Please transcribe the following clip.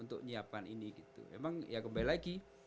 untuk menyiapkan ini gitu emang ya kembali lagi